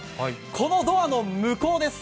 このドアの向こうです。